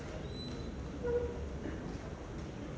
terima kasih